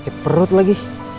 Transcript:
sakit perut lagi